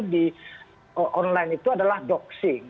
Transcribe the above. di online itu adalah doxing